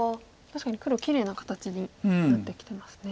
確かに黒きれいな形になってきてますね。